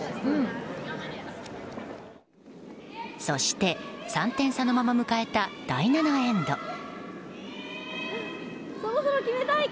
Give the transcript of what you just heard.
そして３点差のまま迎えた第７エンド。